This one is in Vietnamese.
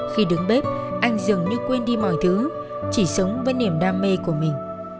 khi đứng bếp anh dường như quên đi mọi thứ chỉ sống với niềm đam mê của mình